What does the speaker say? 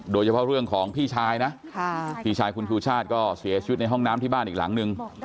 โดยเฉพาะเรื่องของพี่ชายนะพี่ชายคุณชูชาติก็เสียชีวิตในห้องน้ำที่บ้านอีกหลังนึง